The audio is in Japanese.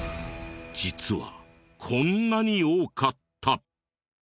実はこんなに多かった。